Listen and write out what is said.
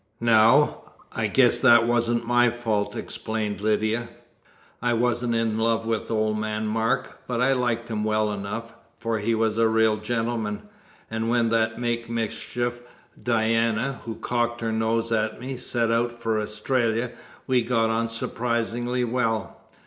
"Now, I guess that wasn't my fault," explained Lydia. "I wasn't in love with old man Mark, but I liked him well enough, for he was a real gentleman; and when that make mischief Diana, who cocked her nose at me, set out for Australia, we got on surprisingly well.